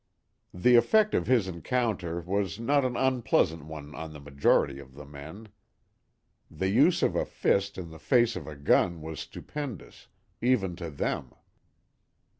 The effect of his encounter was not an unpleasant one on the majority of the men. The use of a fist in the face of a gun was stupendous, even to them.